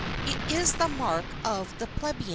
It is the mark of the plebeian.